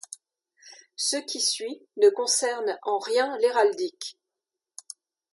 Ce qui suit ne concerne en rien l'héraldique.